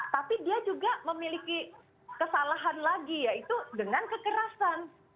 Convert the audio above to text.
tapi dia juga memiliki kesalahan lagi yaitu dengan kekerasan